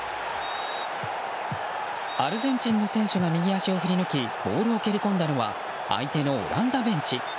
アルゼンチンの選手が右足を振り抜きボールを蹴り込んだのは相手のオランダベンチ。